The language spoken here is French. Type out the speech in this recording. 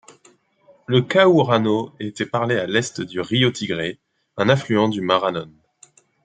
Le cahuarano était parlé à l'Est du Río Tigre, un affluent du Marañón.